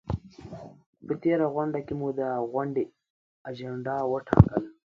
په تېره غونډه کې مو د غونډې اجنډا وټاکله؟